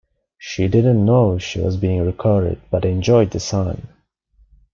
She did not know she was being recorded but enjoyed the song.